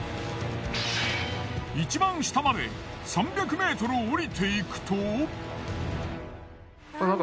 いちばん下まで３００ｍ下りていくと。